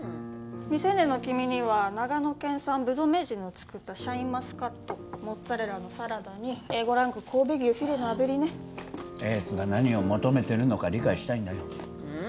未成年の君には長野県産ぶどう名人の作ったシャインマスカットモッツァレラのサラダにＡ５ランク神戸牛フィレのあぶりねエースが何を求めてるのか理解したいんだよううん